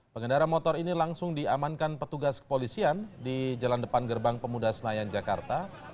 pengendara motor ini langsung diamankan petugas kepolisian di jalan depan gerbang pemuda senayan jakarta